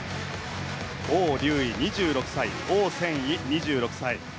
オウ・リュウイ、２６歳オウ・センイ、２６歳。